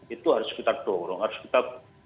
itu harus kita dorong harus kita